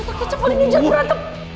ketuk kecap paling ngejar kurang tuh